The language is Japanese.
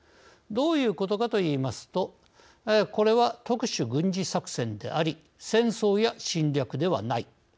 どういうことかといいますとこれは特殊軍事作戦であり戦争や侵略ではない。